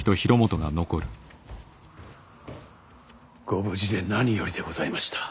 ご無事で何よりでございました。